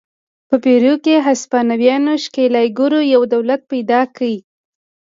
په پیرو کې هسپانوي ښکېلاکګرو یو دولت پیدا کړ.